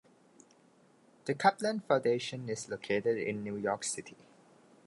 The Kaplan Foundation is located in New York City.